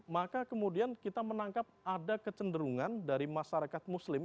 maka kemudian kita menangkap ada kecenderungan dari masyarakat muslim